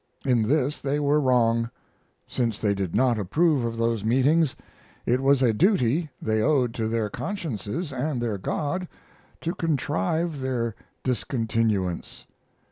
In this they were wrong. Since they did not approve of those meetings, it was a duty they owed to their consciences and their God to contrive their discontinuance.